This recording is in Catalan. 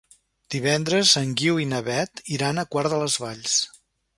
Divendres en Guiu i na Beth iran a Quart de les Valls.